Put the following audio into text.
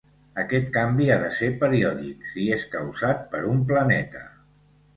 Aquest canvi ha de ser periòdic, si és causat per un planeta.